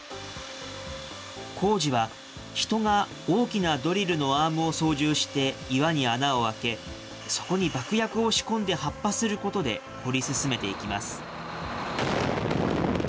工事は人が大きなドリルのアームを操縦して岩に穴を開け、そこに爆薬を仕込んで発破することで掘り進めていきます。